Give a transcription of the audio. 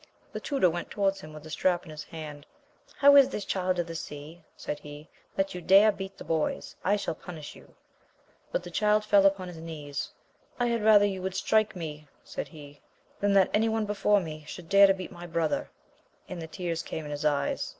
The tutor went towards him with the strap in his hand ; How is this, Child of the Sea, said he, that you dare beat the boys 1 I shall punish you ! But the child fell upon his knees ; I had rather you would strike me, said he, than that any one before me should dare to beat my brother; and the tears came in his eyes.